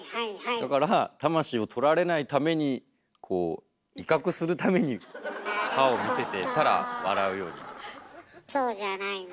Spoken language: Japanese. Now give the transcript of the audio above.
だから魂を取られないためにこう威嚇するために歯を見せてたら笑うようになった。